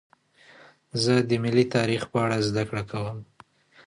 زه د ملي تاریخ په اړه زدهکړه کوم.